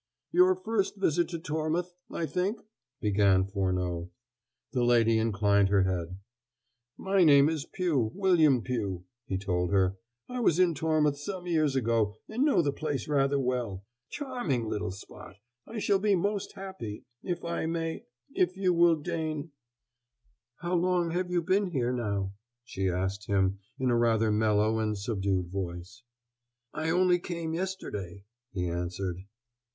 "Your first visit to Tormouth, I think?" began Furneaux. The lady inclined her head. "My name is Pugh, William Pugh," he told her. "I was in Tormouth some years ago, and know the place rather well. Charming little spot! I shall be most happy if I may if you will deign " "How long have you been here now?" she asked him in a rather mellow and subdued voice. "I only came yesterday," he answered.